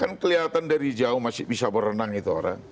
kan kelihatan dari jauh masih bisa berenang itu orang